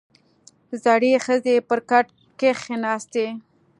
• زړې ښځې پر کټ کښېناستې.